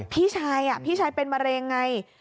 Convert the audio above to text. พี่ชายเป็นมะเร็งไง